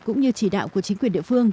cũng như chỉ đạo của chính quyền địa phương